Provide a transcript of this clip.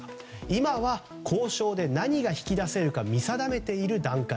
今は交渉で何が引き出せるか見定めている段階。